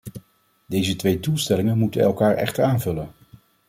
Deze twee doelstellingen moeten elkaar echter aanvullen.